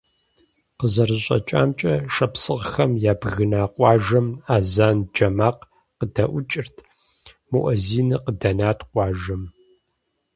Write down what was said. КъызэрыщӀэкӀамкӀэ, шапсыгъхэм ябгына къуажэм азэн джэ макъ къыдэӀукӀырт – муӀэзиныр къыдэнат къуажэм.